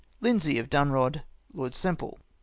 " Lindsay of Dunrod. " Lord Semple.